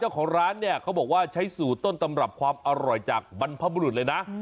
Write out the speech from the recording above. เจ้าของร้านเนี่ยเขาบอกว่าใช้สูตรต้นตำรับความอร่อยจากบรรพบุรุษเลยนะ